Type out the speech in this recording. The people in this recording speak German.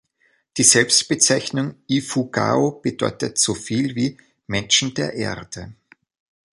Die Selbstbezeichnung „Ifugao“ bedeutet so viel wie „Menschen der Erde“.